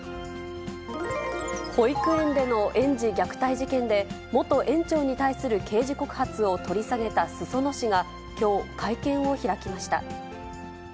保育園での園児虐待事件で、元園長に対する刑事告発を取り下げた裾野市がきょう、会見を開きました。